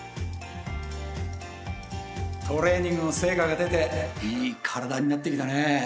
トレーニングの成果が出ていい体になってきたねえ。